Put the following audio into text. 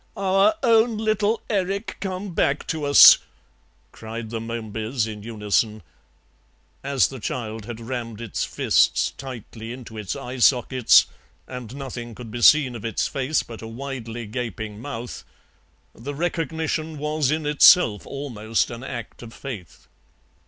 "Our own little Erik come back to us," cried the Momebys in unison; as the child had rammed its fists tightly into its eye sockets and nothing could be seen of its face but a widely gaping mouth, the recognition was in itself almost an act of faith.